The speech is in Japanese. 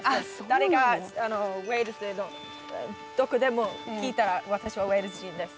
誰がウェールズのどこでも聞いたら私はウェールズ人です。